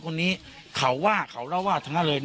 วันนี้กลายเป้าหมาย